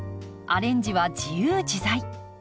アレンジは自由自在。